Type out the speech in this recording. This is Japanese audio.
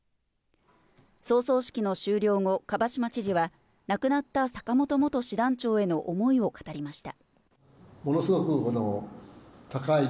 葬送式の終了後、蒲島知事は、亡くなった坂本元師団長への思いを語りました。